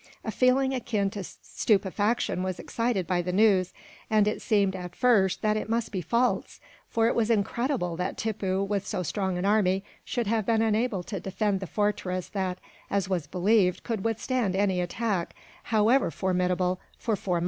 A feeling akin to stupefaction was excited by the news; and it seemed, at first, that it must be false, for it was incredible that Tippoo, with so strong an army, should have been unable to defend the fortress that, as was believed, could withstand any attack, however formidable, for four months.